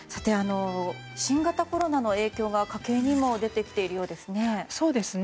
新型コロナの影響が家計にも出てきているようですね。